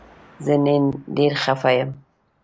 زه نن ډیر خفه یم